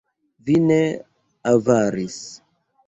Vi ne avaris!